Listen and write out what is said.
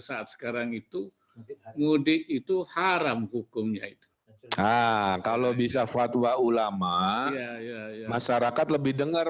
saat sekarang itu mudik itu haram hukumnya itu kalau bisa fatwa ulama masyarakat lebih dengar